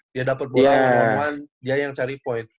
dia dapat bola one on one dia yang cari poin